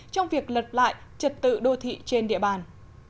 trong việc lật lại trật tự đô thị trên địa bàn